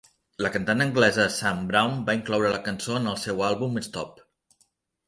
La cantant anglesa Sam Brown va incloure la cançó en el seu àlbum "Stop!"